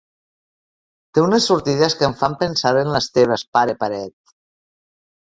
Té unes sortides que em fan pensar en les teves, pare paret.